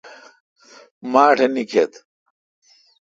ماٹھ نیکتھ۔